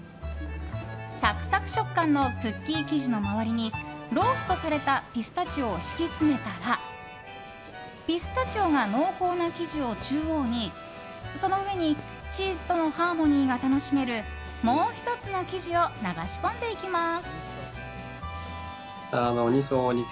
サクサク食感のクッキー生地の周りにローストされたピスタチオを敷き詰めたらピスタチオが濃厚な生地を中央にその上にチーズとのハーモニーが楽しめるもう１つの生地を流し込んでいきます。